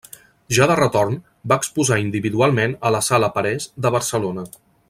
Ja de retorn, va exposar individualment a la Sala Parés de Barcelona.